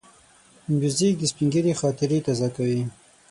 موزیک د سپینږیري خاطرې تازه کوي.